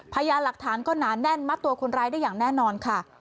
พยานหลักฐานก็หนาแน่นมัดตัวคนร้ายได้อย่างแน่นอนค่ะ